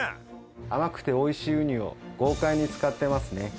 甘くて美味しいウニを豪快に使ってますね。